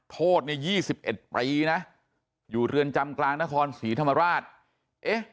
โทษเนี่ย๒๑ปีนะอยู่เรือนจำกลางนครศรีธรรมราชเอ๊ะ